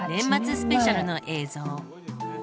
スペシャルの映像。